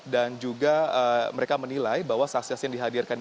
juga mereka menilai bahwa saksi saksi yang dihadirkan